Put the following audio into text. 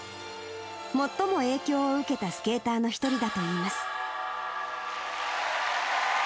最も影響を受けたスケーターの一人だといいます。